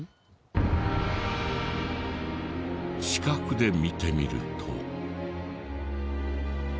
近くで見てみると。